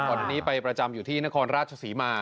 อันนี้ไปประจำอยู่ที่นครราชศรีมา